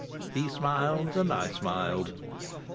He smiled, and I smiled.